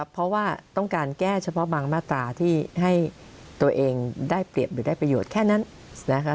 เพราะว่าต้องการแก้เฉพาะบางมาตราที่ให้ตัวเองได้เปรียบหรือได้ประโยชน์แค่นั้นนะคะ